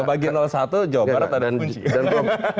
kalau bagian satu jawa barat ada kunci